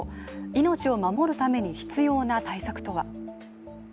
命を守るために必要な対策とは？